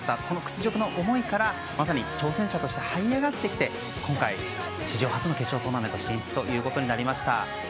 この屈辱の思いからまさに挑戦者としてはい上がってきて今回、史上初の決勝トーナメント進出となりました。